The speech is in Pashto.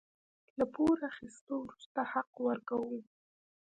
له پور اخيستو وروسته حق ورکوو.